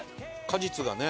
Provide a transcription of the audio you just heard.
果実がね。